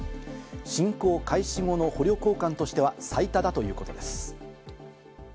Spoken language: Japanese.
侵攻開始後の捕虜交換としては最多だということです。